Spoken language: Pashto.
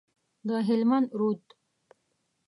د هلمند رود،